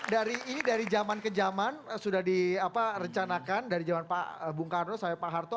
dari ini dari zaman ke zaman sudah direncanakan dari zaman pak bung karno sampai pak harto